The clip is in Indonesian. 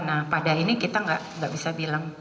nah pada ini kita nggak bisa bilang